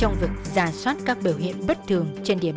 xong rồi nó chằn chịt